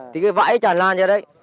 thì cái vãi tràn lan ra đấy